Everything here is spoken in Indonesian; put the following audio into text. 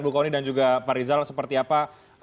bu kony dan juga pak rizal seperti apa